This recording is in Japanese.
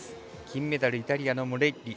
金メダルイタリアのモレッリ。